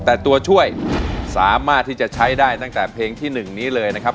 แต่ตัวช่วยสามารถที่จะใช้ได้ตั้งแต่เพลงที่๑นี้เลยนะครับ